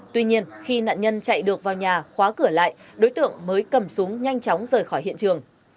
tuy nhiên khi nạn nhân chạy được vào nhà khóa cửa lại đối tượng mới cầm súng nhanh chóng rời khỏi hiện trường